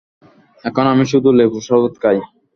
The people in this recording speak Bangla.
এখন আমি শুধু লেবুর শরবত খাই।